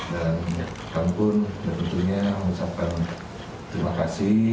dan kami pun tentunya mengucapkan terima kasih